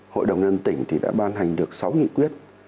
hội đồng nhân tỉnh đã ban hành được sáu nghị quyết